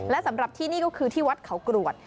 และสำหรับที่นี่ก็คือที่วัดเขากรวด